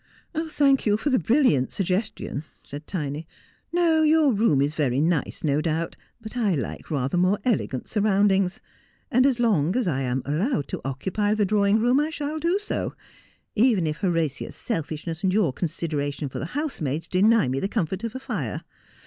' Thank you for the brilliant suggestion,' said Tiny. ' No, your room is very nice, no doubt, but 1 like rather more elegant surroundings, and as long as I am allowed to occupy the drawing room I shall do so, even if Horatia's selfishness and your consideration for the housemaids deny me the comfort of a fire.